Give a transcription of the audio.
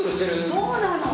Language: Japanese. そうなの。